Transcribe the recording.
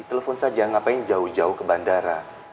telepon saja ngapain jauh jauh ke bandara